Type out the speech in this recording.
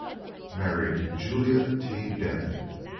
Married Julia T. Dent.